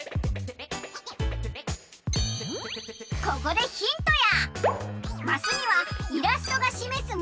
ここでヒントや！